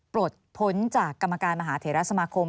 ปลดพ้นจากกรรมการมหาเถระสมาคม